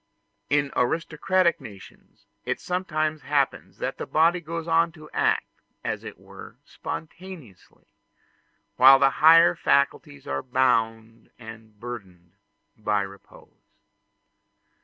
In aristocratic nations it sometimes happens that the body goes on to act as it were spontaneously, whilst the higher faculties are bound and burdened by repose.